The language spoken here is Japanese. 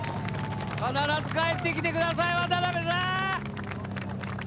必ず帰ってきて下さい渡邊さん！